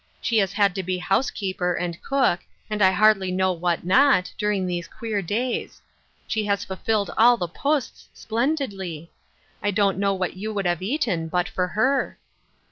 She has had to be housekeeper and cook and I hardly know what not, during these queer days. She has filled all the posts splendidly ! I don't know what you would have eaten but for her."